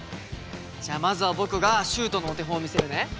じゃあまずは僕がシュートのお手本を見せるね。